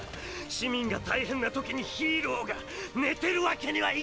市民が大変な時にヒーローが寝てるわけにはいかないわよ！！